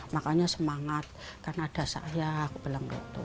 makanya semangat karena ada saya aku bilang gitu